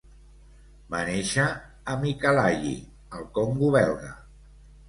Va néixer a Mikalayi, al Congo belga.